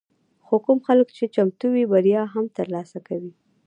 خو کوم خلک چې چمتو وي، بریا هم ترلاسه کوي.